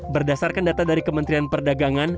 berdasarkan data dari kementerian perdagangan